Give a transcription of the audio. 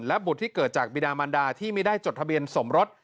บุตรที่เกิดจากบิดามันดาที่ไม่ได้จดทะเบียนสมรส